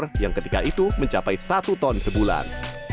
mesin ekspor yang ketika itu mencapai satu ton sebulan